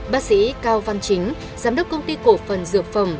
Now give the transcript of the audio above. bác sĩ cao văn chính giám đốc công ty cổ phần dược phẩm